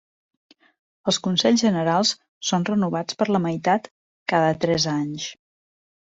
Els consells generals són renovats per la meitat cada tres anys.